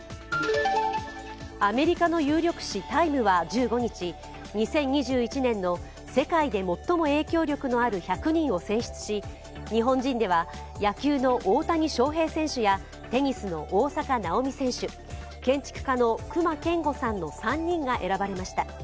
アメリカの有力誌「タイム」は１５日２０２１年の世界で最も影響力のある１００人を選出し、日本人では野球の大谷翔平選手やテニスの大坂なおみ選手、建築家の隈研吾さんの３人が選ばれました。